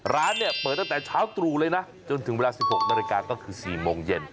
ร้านเนี่ยเปิดตั้งแต่เช้าตรู่เลยนะจนถึงเวลา๑๖นาฬิกาก็คือ๔โมงเย็น